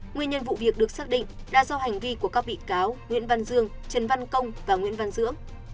nguyên nhân vụ việc được xác định là do hành vi của các bị cáo nguyễn văn dương trần văn công và nguyễn văn dưỡng